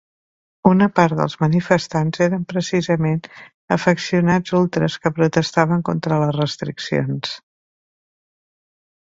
Una part dels manifestants eren precisament afeccionats ultres que protestaven contra les restriccions.